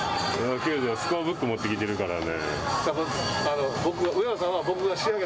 球児はスコアブック持ってきているからね。